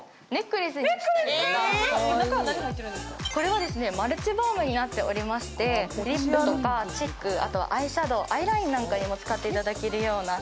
これはマルチバームになっておりまして、リップとかチーク、あと、アイシャドウ、アイラインなんかにも使っていただけるような。